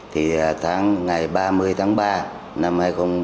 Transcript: thì ngày ba mươi tháng ba năm hai nghìn một mươi bảy